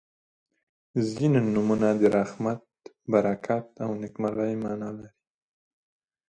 • ځینې نومونه د رحمت، برکت او نیکمرغۍ معنا لري.